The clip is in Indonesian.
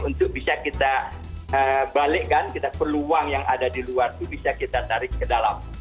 untuk bisa kita balikkan kita peluang yang ada di luar itu bisa kita tarik ke dalam